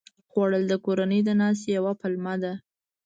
خوړل د کورنۍ د ناستې یوه پلمه ده